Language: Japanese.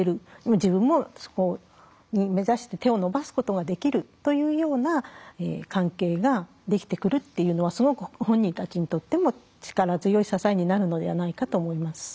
自分もそこを目指して手を伸ばすことができるというような関係ができてくるっていうのはすごく本人たちにとっても力強い支えになるのではないかと思います。